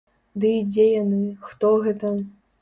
Ды і дзе яны, хто гэта?!